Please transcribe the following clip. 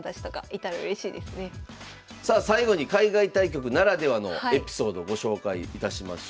最後に海外対局ならではのエピソードご紹介いたしましょう。